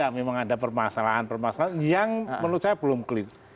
memang ada permasalahan permasalahan yang menurut saya belum clear